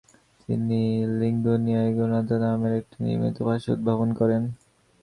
তিনি লিংগুয়া ইগনোতা নামের একটি নির্মিত ভাষা উদ্ভাবন করেন।